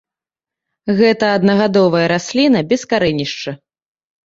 Гэта аднагадовая расліна без карэнішча.